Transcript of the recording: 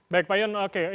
baik pak yun oke